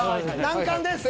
難関です。